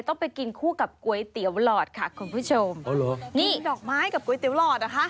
ต้องไปกินคู่กับก๋วยเตี๋ยวหลอดค่ะคุณผู้ชมอ๋อเหรอนี่ดอกไม้กับก๋วยเตี๋หลอดเหรอคะ